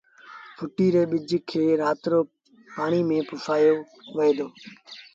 ڦٽيٚ ري ٻج کي رآت رو پآڻيٚ ميݩ پُسآيو وهي دو